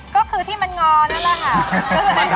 ก็คือที่มันงอนั่นแหละค่ะ